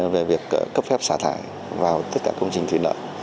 về việc cấp phép xả thải vào tất cả công trình thủy lợi